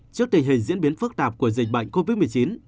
trước tình hình diễn biến phức tạp của dịch bệnh covid một mươi chín